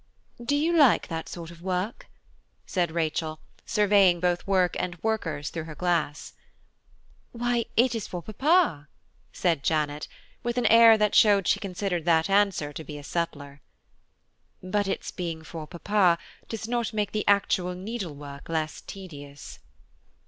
"Do you like that sort of work?" said Rachel, surveying both work and workers through her glass. "Why, it is for papa," said Janet, with an air that showed she considered that answer to be a settler. "But its being for papa does not make the actual needle work less tedious."